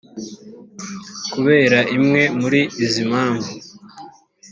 kubera imwe muri izi impamvu